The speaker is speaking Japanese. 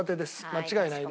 間違いないです。